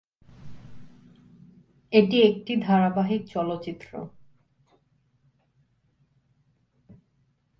এটি একটি ধারাবাহিক চলচ্চিত্র।